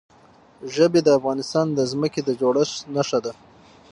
ژبې د افغانستان د ځمکې د جوړښت نښه ده.